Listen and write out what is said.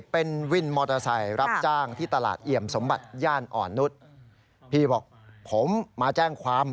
พี่บอกผมมาแจ้งความ